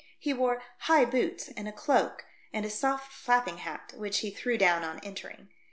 He wore high boots and a cloak and a soft flapping hat, which he threw down on entering.